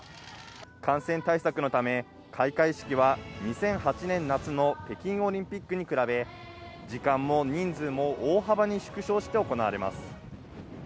感染対策のため、開会式は２００８年夏の北京オリンピックに比べ、時間も人数も大幅に縮小して行われます。